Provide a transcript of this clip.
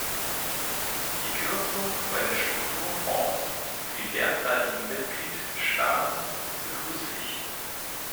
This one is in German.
Die Kürzung bei den Strukturfonds für die derzeitigen Mitgliedstaaten begrüße ich.